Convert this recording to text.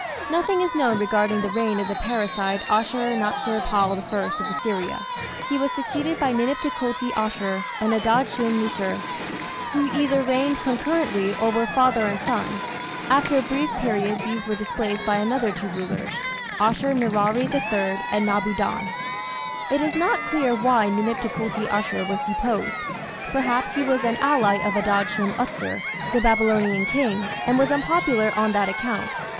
Nothing is known regarding the reign of the parricide Ashur natsir pal I of Assyria. He was succeeded by Ninip Tukulti Ashur and Adad shum lishir, who either reigned concurrently or were father and son. After a brief period these were displaced by another two rulers, Ashur nirari III and Nabu dan. It is not clear why Ninip Tukulti Ashur was deposed. Perhaps he was an ally of Adad shum utsur, the Babylonian king, and was unpopular on that account.